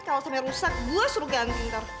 kalo sampe rusak gue suruh ganti ntar